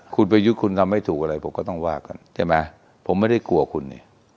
คุณประยุทธ์คุณทำไม่ถูกอะไรผมก็ต้องว่ากันใช่ไหมผมไม่ได้กลัวคุณนี่